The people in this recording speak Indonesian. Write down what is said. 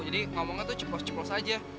jadi ngomongnya tuh cuplos cuplos aja